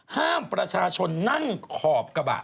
ห้ามประชาชนนั่งขอบกระบะ